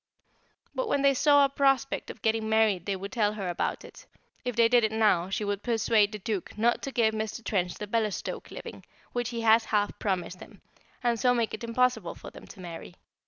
But when they saw a prospect of getting married they would tell her about it; if they did it now, she would persuade the Duke not to give Mr. Trench the Bellestoke living, which he has half promised him, and so make it impossible for them to marry.